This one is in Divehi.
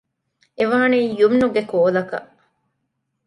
އެވާނީ ޔުމްނުގެ ކޯލަކަށް